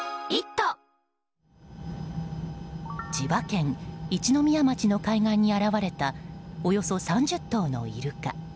千葉県一宮町の海岸に現れたおよそ３０頭のイルカ。